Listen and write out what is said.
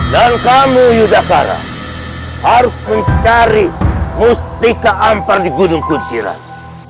dan kamu yudhakara harus mencari mustiqa ampar di gunung kudjiran